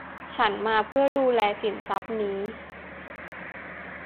ฉันมาเพื่อดูแลสินทรัพย์นี้